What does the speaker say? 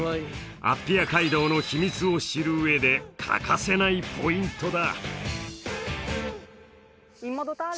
アッピア街道の秘密を知る上で欠かせないポイントだ